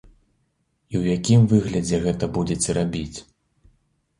І ў якім выглядзе гэта будзеце рабіць?